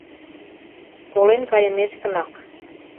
Колен кайымешкынак.